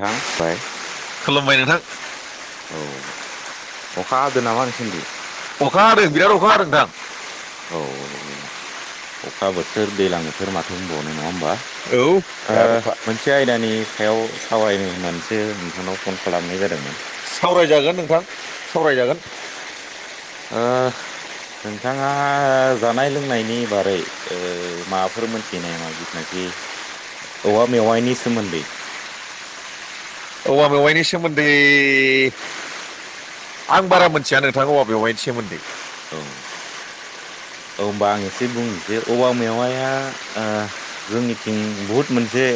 दां बाय। खुलुमबाय नोंथां। औ। अखा हादों नामा नोंसोनदि? अखा हादों बिराद अखा हादों नोंथां। औ औ औ अखा बोथोर, दैलां बोथोर माथो बुंबावनो नङा होमबा? औ ओ बिराद अखा मोनसे आयदानि सायाव सावरायनो होननानैसो नोंथांनाव फन खालामनाय जादोंमोन। सावरायजागोन नोंथां। सावरायजागोन। ओ नोंथाङा जानाय लोंनायनि बारै ओ माबाफोर मोनथिनाय नामा? [unintelligible] [unintelligible] औवा मेवाइनि सोमोन्दै [inaudible] औवा मेवाइनि सोमोन्दै आं बारा मोनथिया नोंथां औवा मेवहायनि सोमोन्दै। औ। औ होमबा आं एसे बुंनोजे औवा मेवाया जोंनिथिं बुहुत मोनसे जे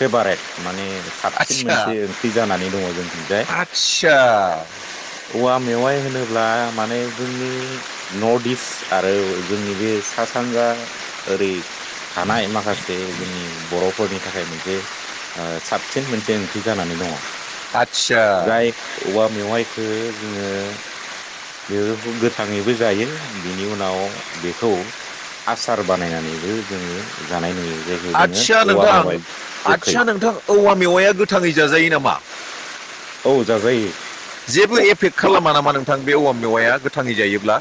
फेभारेट माने साबसिन मोनसे ओंथि जानानै दङ जोंथिजाय। आचदचसा। औवा मेवाइ होनोब्ला, माने जोंनि नर्थ इस्ट आरो जोंनि बे सा सानजा ओरै थानाय माखासे जोंनि बर'फोरनि थाखायमोनसे ओ साबसिन मोनसे ओंख्रि जानानै दङ। आदसा जाय औवा मेवाइखो जोङो बे गोथाङैबो जायो बेनि उनाव बेखौ आसार बानायनानैबो जोङो जानाय नुयो। जायखौ जोङो आदसा औवा नोंथां। मेवाइ गोखै आदसा नोंथां। औवा मेवाया गोथाङै जाजायो नामा? औ जाजायो। जेबो एफेक्ट खालामा नामा नोंथां? बे औवा मेवाया गोथाङै जायोब्ला?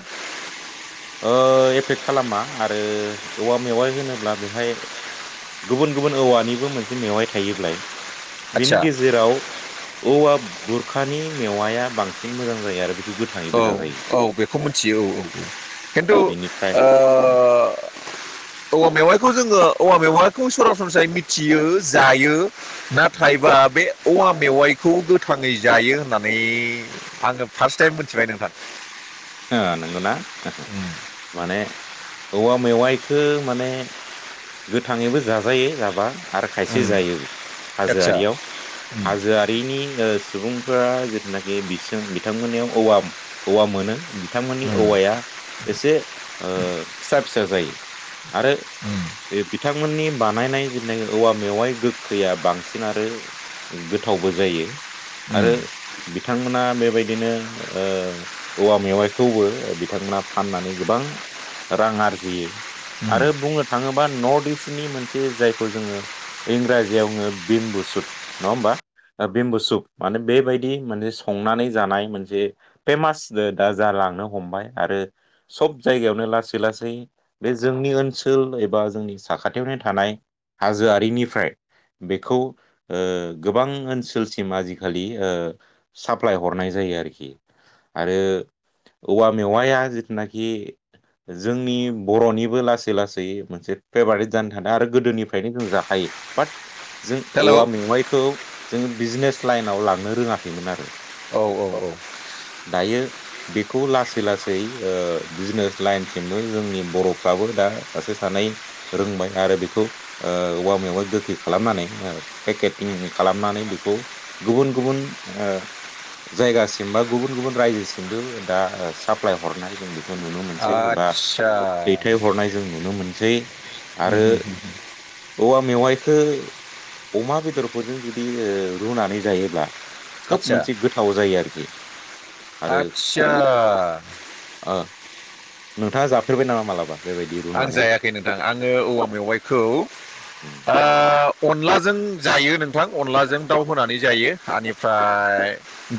ओ एफेक खालामा। आरो औवा मेवाइ होनोब्ला बेहाय गुबुन गुबुन औवानिबो मोनसे मेवाय थायोब्लाय आदसा बेनि गेजेराव औवा बुरखानि मेवाया बांसिन मोजां जायो। आरो बे औ औ। बेखौ मिथियो। औ औ औ। खिन्थु बेनिफ्राय ओ औवा मेवाइखौ जोङो औवा मेवाखौ सरासनस्रायै मिथियो जायो। नाथायबा बे औवा मेवाइखौ गोथाङै जायो होननानै आङो फार्स्ट टाइम मो मिथिबाय नोंथां। नंगौना? माने औवा मेवाइखौो माने गोथाङैबो जाजायो जाबा। आरो खायसे जायोबो आदसा हाजोआरियाव। हाजोआरिनि सुबुंफोरा जिथुनाखि बिस बिथांमोननियाव औवा औवा मोनो। बिथांमोननि औवाया एसे फिसा फिसा जायो। आरो बे बिथांमोननि बानायनाय जेननाय औवा मेवाइ गोखैया बांसिन। आरो गोथावबो जायो। आरो बिथांमोना बेबायदिनो ओ औवा मेवाइखौबो बिथांमोना फाननानै गोबां रां आरजियो। आरो बुंनो थाङोब्ला नर्थ इस्टनि मोनसे जायखौ, जोङो इंराजियावनो बिम्बुस। सद नङा होमबा? भम्बुसुप माने बेबायदि मोनसे संनानै जानाय मोनसे फेमास दा जालांनो हमबाय। आरो सब जायगायावनो लासै लासै बे जोंनि ओनसोल एबा जोंनि साखाथियावनो थानाय हाजोआरिनिफ्राय बेखौ गोबां ओनसोलसिम आजिखालि साप्लााय हरनाय जायो जायो आरोखि। आरो औवा मेवाया जिथुनाखि जोंनि बर'निबो लासै लासै मोनसे फेभारेट जानो थादों। आरो गोदोनिफ्रायनो जों जाखायो। बाट जों हेल' औवा औ मेवाइखौ जोंङो बिजनेस लाइनाव लांनो रोङाखैमोन आरो। औ औ औ दायो बेखौ लासै लासै ओ बिजनेस लाइनसिमबो जोंनि बर'फ्राबो दा सासे सानै रोंबाय आरो बेखौ ओ औवा मेवाय गोखै खालामनानै ओ पेखेटिं खालामनानै नानै बेखौ गुबुन गुबुन ओ जायगासिम बा गुबुन गुबुन रज्योसिम मबो दा साप्लााय हरनाय जों बे खौ नुनो मोनसै एबा आदसा दैथायहरनाय जों नुनो मोनसै जै आरो औवा मेवाइ खो अमा बेदरफोरजों जुदि ओ रुनानै जायोब्ला खोब आदसा मोनसे गोथाव जायो आरोखि। आरो आदसा खोब ओ नोंथाङा जाफेरबाय नामा मालाबा? बेबायदि आं रुनानै? जायाखै नोंथां आङो औवा मेवाइखौ उम ओ अनलाजों जायो नों थां अनलाजों दाउ होनानै जायो औ एनिफ्राय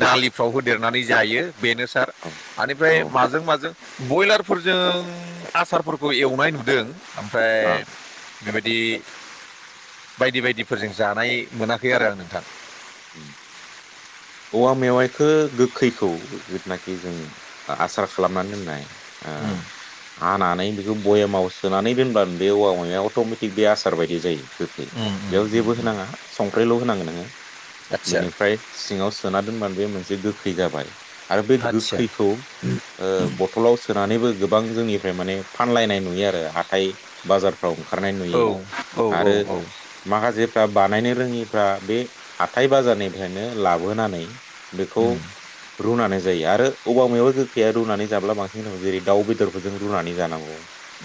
दालिफ्राव होदेरनानै जायो बेनो सार औ बेनिफ्राय औ माजों माजों बयलारफोरजों आसारफोरखौ बेखौ एवनाय नुदों आ ओमफ्राय बेबायदि बायदि बायदिफोरजों जानाय मोनाखै आरो आं नोंथां? उ औवा मेवाइखौ गोखैखौ जिथुनाखि जों आसार खालामनानै दोननाय ओ उम हानानै बेखौ भयेमाव सोनानै दोनब्लानो बे औवा माया अट'मेटिक बे आसार बायदि जायो। गोखै उम उम बेयाव जेबो होनाङा संख्रिल' होनांगोन नोङो आदसा बेनिफ्राय सिङाव सोना दोनबानो बेयो मोनसे गोखै जाबाय आरो बे आदसा गोखैखौ ओ बदलाव सो सोनानैबो गोबां जोंनिफ्राय माने फानलायनाय नुयो आरो हाथाय बाजार फ्राव ओंखारनाय औ नुयो औ औ आरो औ माखासे बानायनो रोङिफ्रा बे हाथाय बाजारनिफ्रायनो लाबोनानै बेखौ उम रुनानै जायो आरो औवा मेवाय गोखैया रुनानै जाब्ला बांसिन गोथाव जेरै दाउ बेदरफोरजों रुनानै जानांगौ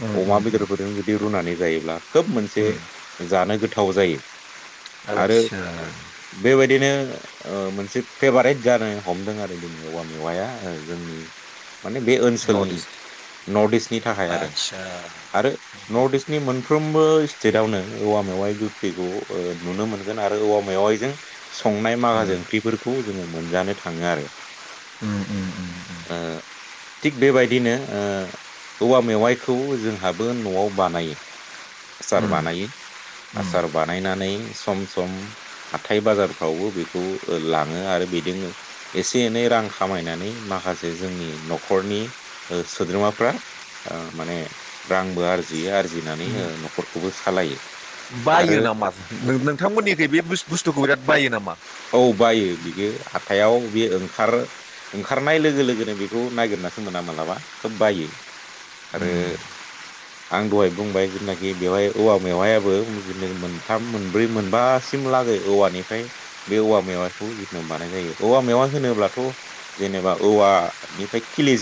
उम अमा उम उम बेदरफोरजों जुदि रुनानै जायोब्ला खोब मोनसे उम जानो गोथाव जायो आरो आदसा बेबायदिनो ओ मोनसे फेभारेट जानो हमदों आरो दिनै औवा मेवाया जोंनि माने बे नर्थ ओनसोलनि इस्ट नर्थ इस्टनि थाखाय आरो आदसा आरो नर्थ इस्टनि मोनफ्रोमबो स्टेटआवनो औवा मेवाइ गोखैखौ ओ नुनो मोनगोन आरो औवा मेवायजों संनाय माखासे उम फोरखौ जोङो मोनजानो थाङो आरो उम उम उम ओ थिग बेबायदिनो ओ औवा मेवाइखौ जोंहाबो न'आव बानायो उम आसार उम बानायो उम आसार बानायनानै सम सम हाथाय बाजारफ्रावबो बेखौ खौ लाङो आरो बेजोंनो एसे एनै रां खामायनानै माखासे जोंनि न'खरनि सोद्रोमाफ्रा ओ माने रांबो आरजियो आरजिनानै ओ न'खरखौबो सालायो आरो बायो नामा नोंथांमोनिखै बे बुस्थुखौ बिराद बायो नामा औ बायो बियो हाथायाव बे ओंखार ओंखारनाय लोगो लोगोनो बेखौ नागिर नासो मोना मालाबा खोब बायो आरो आं दहाय बुंबाय जेनाखि बेवहाय औवा मेवहायाबो जेनाखि मोनथाम मोनब्रै मोनबा सिम लागै औवानिफ्राय बे औवा मेवाखौ जिथु बानाय जायो औवा मेवा होनोब्लाथ' जेनेबा औवानिफ्राय खिलि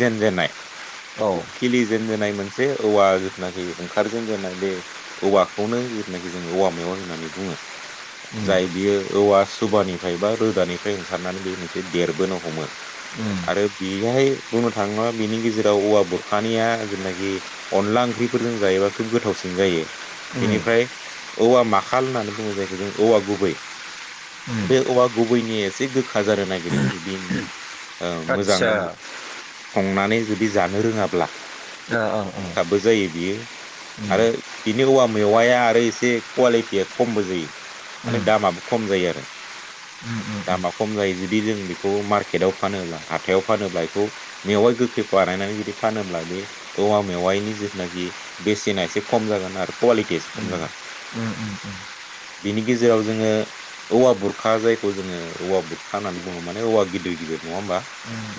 औ खिलिजेनजेननाय नाय मोनसे औवा जिथुनाखि ओंखार जेन जेनाय बे औवाखौनो जिथुनाखि जों औवा मेवा होनानै नै बुङो जाय बियो औवा सुबानिफ्राय बा रोदानिफ्राय ओंखारनानै बे मोनसे देरबोनो हमो आरो बेहाय बुंनो थाङोब्ला बिनि गेजेराव औवा बुरखानिया जेनाखि अनला ओंख्रिफोरजों जायोबा खोब गोथावसिन जायो। बिनिफ्राय औवा माखाल होननानै बुङो जायखौ जों औवा गुबै बे औवा गुबैनि एसे गोखा जानो नागिरो बेनि मोजां आदसा संनानै जुदि जानो रोङाब्ला ओ, ओ। खाबो जायो बियो आरो बिनि औवा मेवाया आरो एसे कुवालिटिया खमबो जायो माने दामाबो खम जायो आरो। [inaudible] दामा खम जायो जुदि जों बेखौ मार्केटआव फानोब्ला हाथायाव फानोब्ला बेखौ मेवाइ गोखै बानायनानै जुदि फानोब्ला बे औवा मेवाइनि जिथुनाखि बेसेना एसे खम जागोन आरो कुवालि टिया एसे खम जागोन। उम उम। बिनि गेजेराव जोङो औवा बुर खा जायखौ जोङो औवा बुरखा होननानै बुङो माने औवा गिदिर गिदिर नङा होमबा?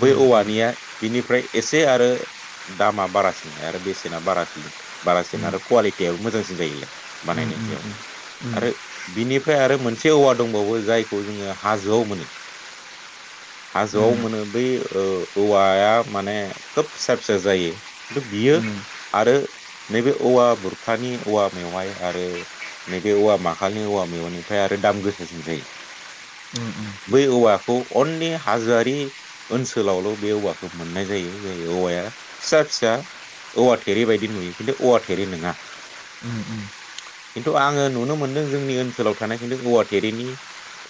बै औवानिया बिनिफ्राय एसे आरो दामा बारासिनलाय आरो बेसेना बारासिलि बारासिन आरो क्वालिटियाबो मोजांसिन जायोलाय बानायनो। उम उम। आरो बिनिफ्राय आरो मोनसे औवा दंबावो जायखौ जोङो हाजोआव मोनो [inaudible] हाजोआव मोनो बै ओ औवाया माने खोब फिसा फिसा जायो खिन्थु बियो आरो नैबे औवा बुरखानि औवा मेवहाय आरो नैबे औवा माखालनि औवा मेवाइनिफ्राय आरो दाम गोसासिन जायो। बै औवाखौ अनलि हाजोआरि ओनसोलावल' बे औवाखौ मोननाय जायो जाय औवाया फिसा फिसा औवा थेरे बायदि नुयो खिन्थु औवा थेरे नोङा। खिन्थु आङो नुनो मोनदों जोंनि ओनसोलाव थानाय खिन्थु औवाटेरिनि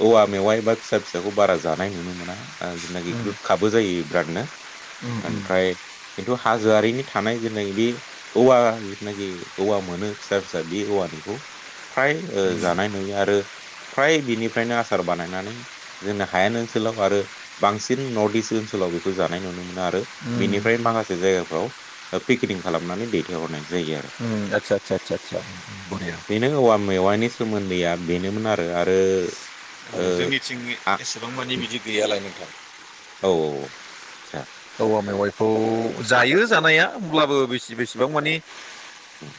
औवा मेवाइ बा फिसा फिसाखौ बारा जानाय नुनो मोना ओ जेनाखि गोखाबो जायो बेरादनो। ओमफ्राय खिन्थु हाजोआरिनि थानाय जेनाखि बे औवा जिथुनाखि औवा मोनो फिसा फिसा बि औवानिखौ फ्राय ओ जानाय नुयो आरो फ्राय बिनि फ्रायनो आसार बानायनानै जोंनो हायेन ओनसोलाव आरो बांसिन नर्थ इस्ट ओनसोलाव बेखौ जानाय नु आरो बिनिफ्राय माखासे जायगाफ्राव पेकिनिं खालामनानै दैथायहरनाय जायो आरो। ओम आसा सा सा सा अके। सोमोन्दैआ बेनोमोन आरो आरो ओ औ जोंनिथिंनि आ एसेबां मानि बिदि गैयालाय नोंथां सा औवा मेवाइखौ जायो जानाया होमब्लाबो बेसे बेसेबां माने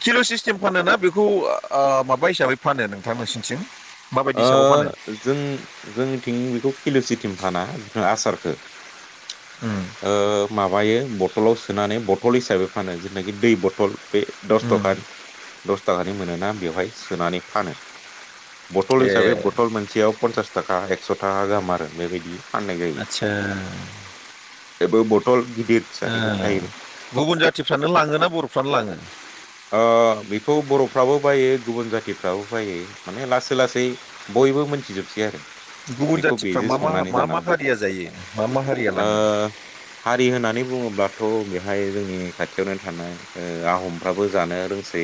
किल' सिस्टेम फानो ना बेखौ ओ माबा हिसाबै फानो नोंथां नोंसिनिथिं? माबायदि ओ हिसाबाव फानो जों जोंनिथिं बेखौ किलु सिथिम फाना आसारखो। उम ओ माबायो बथलाव सोनानै बथल हिसाबै फानो जेनाखि दै बथल बे दस उम थ'का दस ताकानि मोनोना बेवहाय सोनानै फानो। बथल हिसाबै ए बथल मोनसेयाव पन्सास थाखा एकस' थाखा गाहाम आरो बेबायदि। फाननाय जायो आतसा। बेबो बथल गिद ओ गुबुन जाथिफ्रानो लाङो ना बर'फ्रानो लाङो? ओ बेखौ बर'फ्राबो बायो गुबुन जाथिफ्राबो बायो माने लास लासै बयबो मोनथिजोबसै आरो। गुबुन बेखौ जाथिफ्रा बेजों मा मा संनानै मा जाना मा हारिया जायो मा मा हारिया लाङो? ओ हारि होनानै बुङोब्लाथ' बेहाय जोंनि खाथियावनो थानाय ओ आहमफ्राबो जानो रोंसै।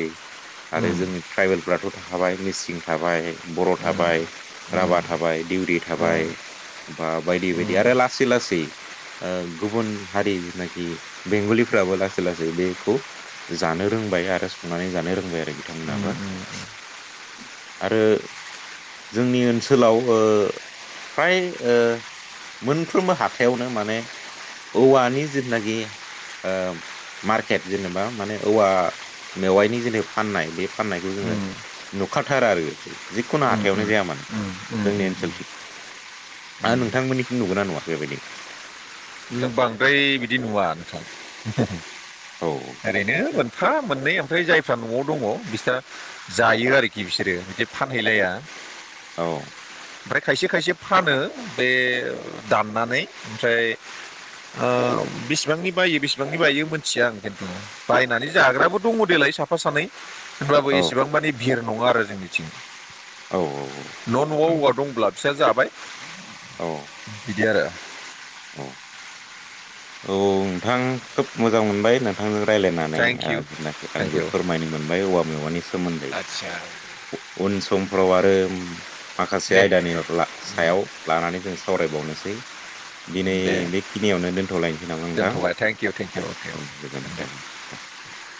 आरो उम जोंनि ट्राइबेलफ्राथ' थाखाबाय मिसिं थाबाय। बर' थाबाय उम राभा थाबाय दिउरि थाबाय। उम होमबा बायदि बायदि आरो लासै लासै ओ गुबुन हारि जेनाखि बेंगलिफ्राबो लासै लासै बेखौ जानो रोंबाय आरो संनानै जानो रोंबाय आरो उम बिथांमोनहाबो। आरो जोंनि ओनसोलाव ओ फ्राय ओ मोनफ्रोमबो हाथायावनो माने औवानि जिथुनाखि ओ मार्कट जेनेबा माने औवा मेवायनि जेने फाननाय बे फाननायखौ जोङो उम नुखाथारा आरो। जिखुनु उम उम हाथायावनो जाया मानो उम जोंनि उम उम ओनसोलथिं। आरो नोंथांमोननिथिं नुगोनना नुवा बेबायदि? नों बांद्राय बिदि नुवा नोंथां। औ ओरैनो मोनफा मोननै ओमफ्राय जायफ्रा न'आव दङ बिस्रा जायो आरोखि बिसोरो बिदि फानहैलाया। औ। ओमफ्राय खायसे खायसे फानो बे दाननानै ओमफ्राय [unintelligible] ओ बिसिबांनि बायो बेसिबांनि बायो मिथिया आं खिन्थु बायनानै जाग्राबो दङ देलाय सा साफा सानै होनब्लाबो औ एसेबां माने भिर नङा आरो जोंनिथिं। औ न'न'आव औवा औ दंब्ला बिसा जाबाय बिदि आरो। औ औ औ नोंथां खोब मोजां मोनबाय नोंथांजों रायलायनानै थेंक इउ जेनाखि थेंक आंबो इउ फोरमायनो मोनबाय औवा मेवानि सोमोन्दै। आदसा उन समफोराव आरो माखासे दे आयदानि ला सायाव लानानै जों सावरायबावनोसै। दिनै दे बेखिनियावनो दोन्थ'लायनोसै नामा नोंथां दोनथ'बाय thank you thank you okay औ गोजोननाय दे थाबाय [unintelligible]